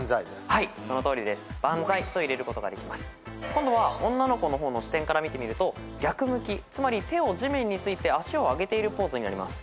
今度は女の子の方の視点から見てみると逆向きつまり手を地面について足を上げているポーズになります。